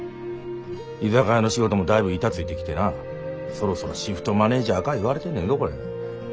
居酒屋の仕事もだいぶ板ついてきてなそろそろシフトマネージャーか言われてんねんぞこれ。